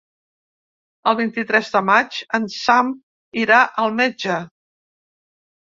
El vint-i-tres de maig en Sam irà al metge.